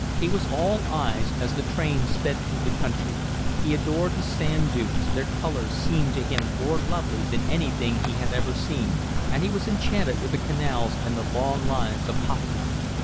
He was all eyes as the train sped through the country; he adored the sand dunes, their colour seemed to him more lovely than anything he had ever seen; and he was enchanted with the canals and the long lines of poplars.